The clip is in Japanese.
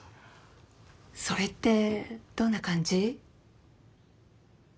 それってどんな感じ？